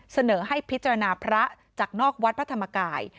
เสนอให้พิจารณาพระจากนอกวัดพระธรรมกาย